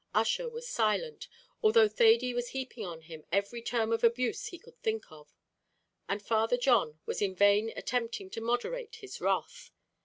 Ussher was silent, although Thady was heaping on him every term of abuse he could think of; and Father John was in vain attempting to moderate his wrath.